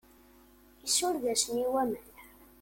Isureg-asen i waman.